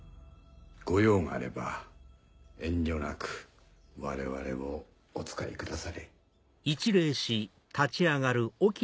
ご用があれば遠慮なく我々をお使いくだされ。